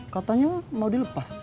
katanya mau dilepas